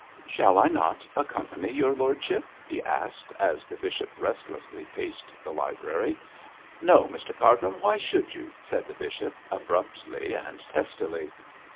'Shall I not accompany your lordship?' he asked, as the bishop restlessly paced the library. 'No, Mr Cargrim, why should you?' said the bishop, abruptly and testily.